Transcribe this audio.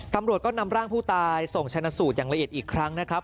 ตำรวจก็นำร่างผู้ตายส่งชนะสูตรอย่างละเอียดอีกครั้งนะครับ